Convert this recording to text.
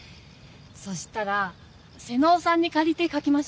そしたら妹尾さんにかりてかきましょうか。